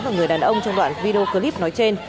và người đàn ông trong đoạn video clip nói trên